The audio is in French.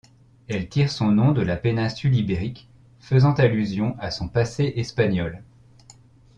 Elle tire son nom de la Péninsule Ibérique, faisant allusion à son passé espagnol.